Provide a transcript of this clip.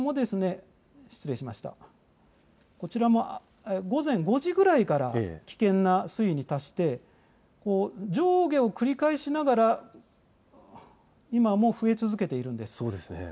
こちらも午前５時ぐらいから危険な水位に達して上下を繰り返しながら今も増え続けているんです。